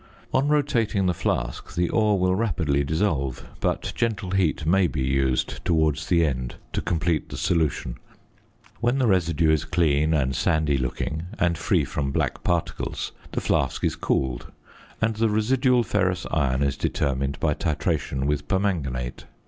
On rotating the flask the ore will rapidly dissolve, but gentle heat may be used towards the end to complete the solution. When the residue is clean and sandy looking, and free from black particles, the flask is cooled, and the residual ferrous iron is determined by titration with "permanganate."